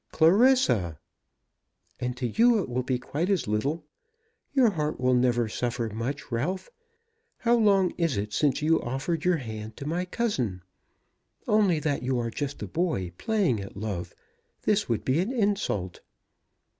"Clarissa!" "And to you it will be quite as little. Your heart will never suffer much, Ralph. How long is it since you offered your hand to my cousin? Only that you are just a boy playing at love, this would be an insult."